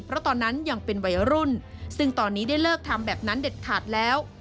เพราะตอนนั้นยังเป็นวัยรุ่นซึ่งตอนนี้ได้เลิกทำแบบนั้นเด็ดขาดแล้ว